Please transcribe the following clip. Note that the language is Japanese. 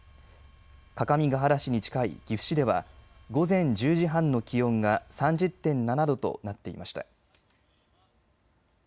各務原市に近い岐阜市では午前１０時半の気温が３０．７度となっていました。